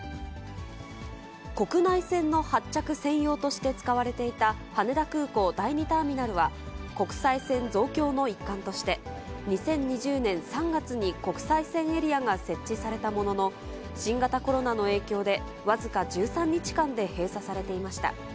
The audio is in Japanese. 国内線の発着専用として使われていた羽田空港第２ターミナルは、国際線増強の一環として、２０２０年３月に国際線エリアが設置されたものの、新型コロナの影響で、僅か１３日間で閉鎖されていました。